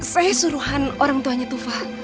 saya suruhan orang tuanya tufa